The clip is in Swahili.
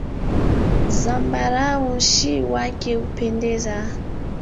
Nzambarau nchi wake hupendeza.